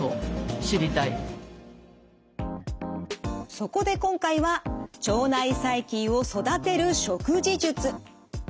そこで今回は腸内細菌を育てる食事術。